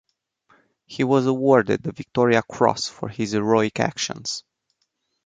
He was awarded the Victoria Cross for his heroic actions.